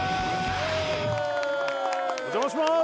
お邪魔します